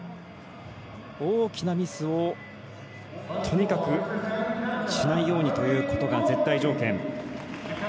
大きなミスを、とにかくしないようにということが絶対条件。